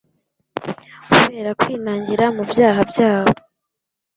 Kubera kwinangirira mu byaha byabo,